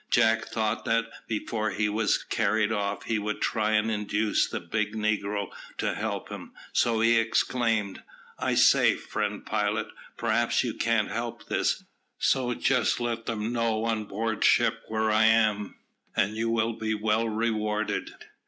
Jack thought that before he was carried off, he would try and induce the big negro to help him, so he exclaimed, "I say, friend pilot, perhaps you can't help this; so just let them know on board ship where I am, and you will be well rewarded."